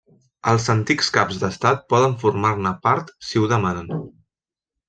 Els antics caps d'estat poden formar-ne part si ho demanen.